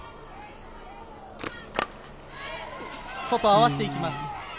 外、合わせていきます。